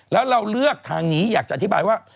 แล้วเราเลือกทางนี้อยากจะอธิบายว่า